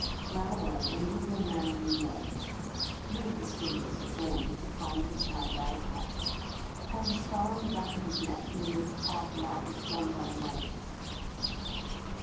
'Ran away, a negro man named Ned. Three of his fingers are drawn into the palm of his hand by a cut. Has a scar on the back of his neck, nearly half round, done by a knife.